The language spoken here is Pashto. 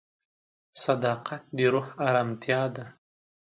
صداقت د روح ارامتیا ده.